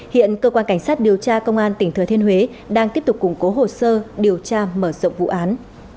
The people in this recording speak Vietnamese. hiện cơ quan cảnh sát điều tra công an tỉnh thừa thiên huế đang tiếp tục củng cố hồ sơ điều tra mở rộng vụ án